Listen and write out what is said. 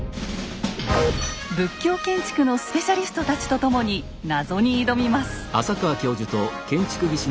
仏教建築のスペシャリストたちと共に謎に挑みます。